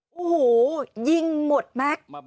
โอ้โหยิงหมดแม็กซ์